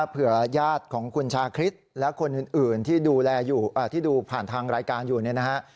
ญาติของคุณชาคริสและคนอื่นที่ดูแลอยู่ที่ดูผ่านทางรายการอยู่เนี่ยนะฮะ